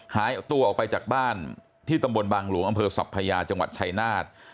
หายเอาตัวออกไปจากบ้านที่ตำบลบางหลวงอำเภอสัพพยาจังหวัดชายนาฏ